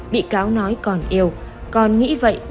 bị cáo nói còn yêu còn nghĩ vậy